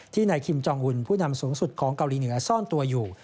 นายคิมจองหุ่นผู้นำสูงสุดของเกาหลีเหนือซ่อนตัวอยู่